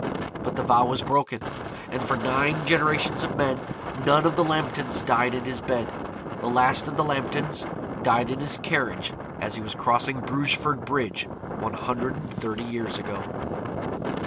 But the vow was broken, and for nine generations of men none of the Lambtons died in his bed. The last of the Lambtons died in his carriage as he was crossing Brugeford Bridge, one hundred and thirty years ago.